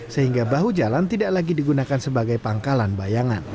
sehingga bahu jalan tidak lagi digunakan sebagai pangkalan bayangan